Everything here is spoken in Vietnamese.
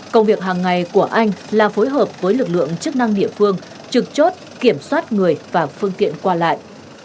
công việc hàng ngày của anh là phối hợp với lực lượng chức năng địa phương trực chốt kiểm soát người và phương tiện qua lại